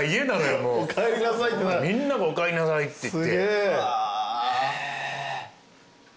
みんなが「おかえりなさい」って言って。